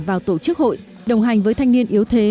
vào tổ chức hội đồng hành với thanh niên yếu thế